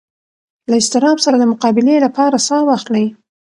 له اضطراب سره د مقابلې لپاره ساه واخلئ.